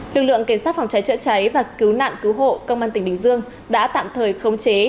lực lượng cảnh sát phòng cháy chữa cháy và cứu nạn cứu hộ công an tỉnh bình dương đã tạm thời khống chế